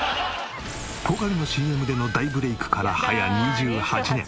ポカリのＣＭでの大ブレークからはや２８年。